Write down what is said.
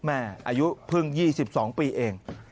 อายุเพิ่ง๒๒ปีเอง